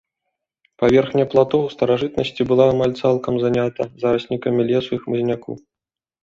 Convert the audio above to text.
Паверхня плато ў старажытнасці была амаль цалкам занята зараснікамі лесу і хмызняку.